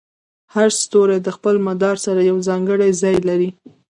هر ستوری د خپل مدار سره یو ځانګړی ځای لري.